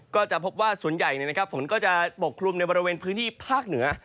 ก็จะพบว่าส่วนใหญ่ฝนก็จะปกคลุมในบริเวณพื้นที่ภาคเหนือ